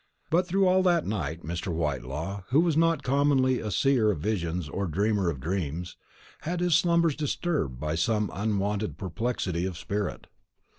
But all through that night Mr. Whitelaw, who was not commonly a seer of visions or dreamer of dreams, had his slumbers disturbed by some unwonted perplexity of spirit.